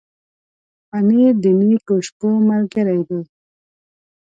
پنېر د نېکو شپو ملګری دی.